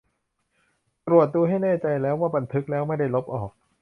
ตรวจดูให้แน่ใจว่าบันทึกแล้วไม่ได้ลบออก